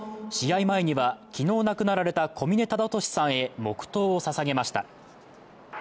試合前には昨日亡くなられた小嶺忠敏さんへ黙とうをささげました。